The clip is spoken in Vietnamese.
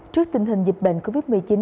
trước tình hình dịch bệnh covid một mươi chín